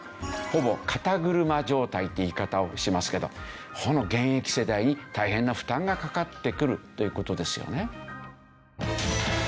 ほぼ肩車状態って言い方をしますけど現役世代に大変な負担がかかってくるという事ですよね。